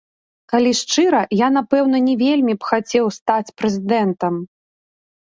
Калі шчыра, я, напэўна, не вельмі б хацеў стаць прэзідэнтам.